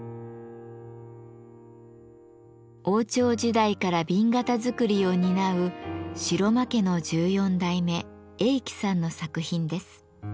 王朝時代から紅型づくりを担う城間家の１４代目栄喜さんの作品です。